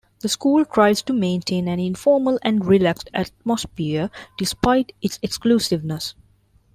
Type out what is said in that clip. The school tries to maintain an informal and relaxed atmosphere despite its exclusiveness.